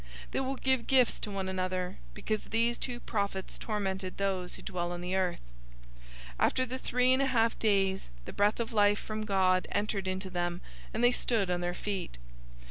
They will give gifts to one another, because these two prophets tormented those who dwell on the earth. 011:011 After the three and a half days, the breath of life from God entered into them, and they stood on their feet.